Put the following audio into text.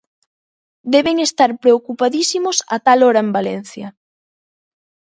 Deben estar preocupadísimos a tal hora en Valencia.